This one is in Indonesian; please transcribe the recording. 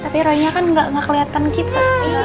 tapi roynya kan nggak kelihatan kita nggak apa apa